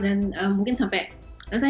saya lupa sampai kasus keberadaan